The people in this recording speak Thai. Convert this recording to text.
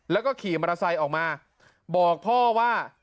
แล้วก็ขี่มอเตอร์ไซค์ออกมาบอกพ่อว่า